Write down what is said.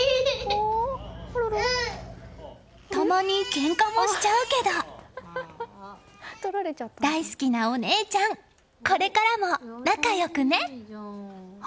たまにけんかもしちゃうけど大好きなお姉ちゃんこれからも仲よくね。